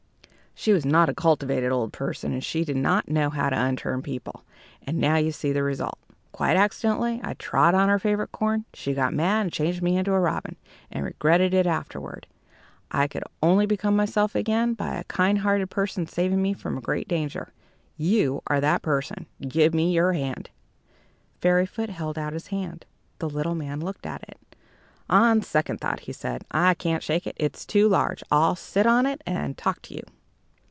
She was not a cultivated old person, and she did not know how to unturn people, and now you see the result. Quite accidentally I trod on her favorite corn; she got mad and changed me into a robin, and regretted it ever afterward. I could only become myself again by a kind hearted person's saving me from a great danger. You are that person. Give me your hand." Fairyfoot held out his hand. The little man looked at it. "On second thought," he said, "I can't shake it it's too large. I'll sit on it, and talk to you."